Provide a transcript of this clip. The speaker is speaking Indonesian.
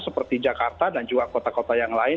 seperti jakarta dan juga kota kota yang lain